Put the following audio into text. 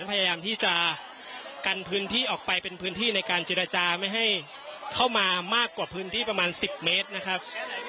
พยายามที่จะกันพื้นที่ออกไปเป็นพื้นที่ในการเจรจาไม่ให้เข้ามามากกว่าพื้นที่ประมาณ๑๐เมตรนะครับ